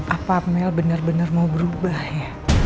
apa mel bener bener mau berubah ya